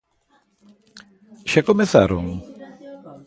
Xa comezaron?